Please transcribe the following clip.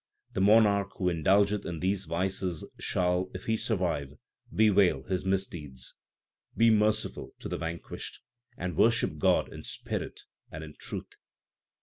The monarch who indulgeth in these vices shall, if he survive, bewail his misdeeds. Be merciful to the vanquished, and worship God in spirit and in truth.